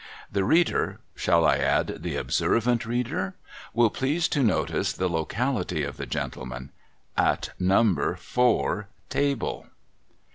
The reader (shall I add, the observant reader ?) will please to notice the locality of the gentleman, — at No. 4 table.